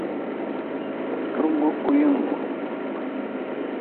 Turgu kuyingu.